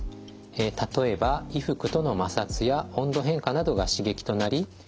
例えば衣服との摩擦や温度変化などが刺激となりかゆみが発生します。